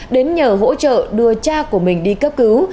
đến nhờ hỗ trợ đưa cha của mình đi cấp cứu